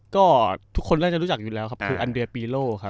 ก็ทุกคนน่าจะรู้จักอยู่แล้วครับคืออันเดียปีโลครับ